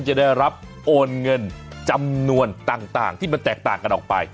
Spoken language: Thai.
จะได้รับโอนเงินจำนวนต่างที่มันแตกต่างกันออกไป